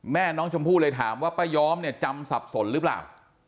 แม่น้องชมพู่เลยถามว่าป้าย้อมเนี่ยจำสับสนหรือเปล่า